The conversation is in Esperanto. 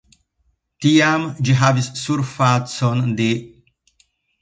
Tiam ĝi havis surfacon de.